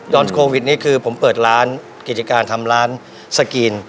โควิดนี้คือผมเปิดร้านกิจการทำร้านสกรีน